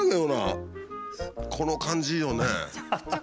この感じいいよね。